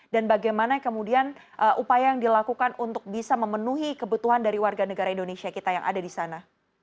bagaimana kemudian upaya yang dilakukan untuk bisa memenuhi kebutuhan dari warga negara indonesia kita yang ada di sana